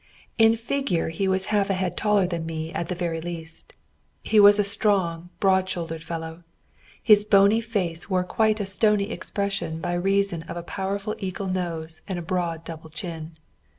In figure he was half a head taller than me at the very least. He was a strong, broad shouldered fellow. His bony face wore quite a stony expression by reason of a powerful eagle nose and a broad double chin.